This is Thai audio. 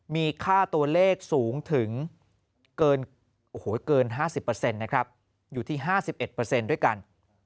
มีค่าตัวเลขสูงถึงเกิน๕๐นะครับอยู่ที่๕๑ด้วยกัน